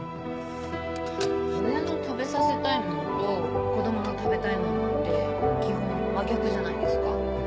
親の食べさせたいものと子供の食べたいものって基本真逆じゃないですか。